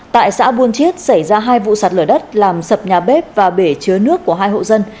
tại xã buôn chiết xảy ra hai vụ sạt lở đất làm sập nhà bếp và bể chứa nước của hai hộ dân